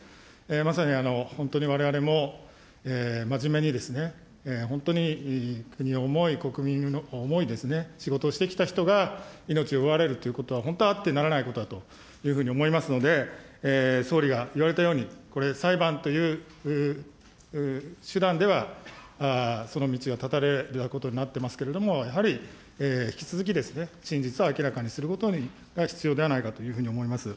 まさに本当にわれわれも真面目に本当に国を思い、国民を思いですね、仕事をしてきた人が、命を奪われるということは、本当、あってはならないことだというふうに思いますので、総理が言われたように、これ、裁判という手段では、その道は絶たれたことになってますけれども、やはり引き続き真実を明らかにすることが必要ではないかというふうに思います。